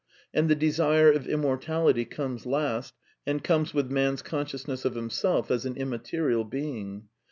And the desire of immortality comes last, and comes with man's consciousness of himself as an immaterial being.